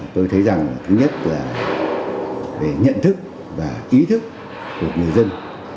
tôi thấy rằng thứ nhất là về nhận thức và ý thức của người dân